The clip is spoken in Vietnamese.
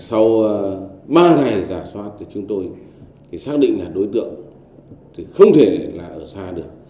sau ba ngày giả soát thì chúng tôi xác định là đối tượng không thể ở xa được